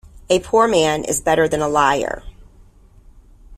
A poor man is better than a liar.